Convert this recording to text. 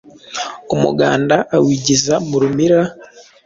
Umuganda awigiza mu rumira,